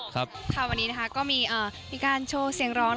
ค่ะวันนี้นะคะก็มีการโชว์เสียงร้อน